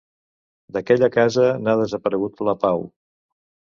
D'aquella casa, n'ha desaparegut la pau.